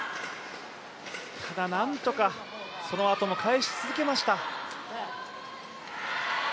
ただ何とかそのあとも返し続けました。